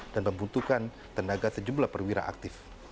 dan membutuhkan tenaga sejumlah perwira aktif